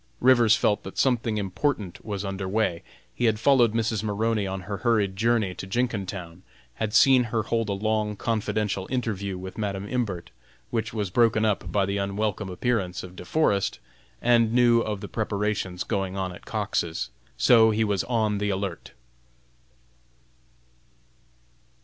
Rivers felt that something important was under way. He had followed Mrs. Maroney on her hurried journey to Jenkintown; had seen her hold a long confidential interview with Madam Imbert, which was broken up by the unwelcome appearance of De Forest, and knew of the preparations going on at Cox's. So he was on the alert.